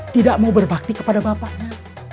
tidak mau berbakti kepada bapaknya